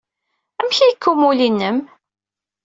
Amek ay yekka umulli-nnem?